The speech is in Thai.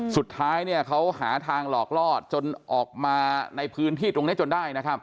สุดท้ายเขาหาทางหลอกล่อจนออกมาในพื้นที่ตรงนี้จนได้นะครับ